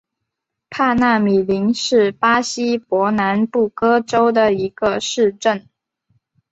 帕纳米林是巴西伯南布哥州的一个市镇。